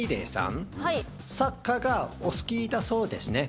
サッカーがお好きだそうですね。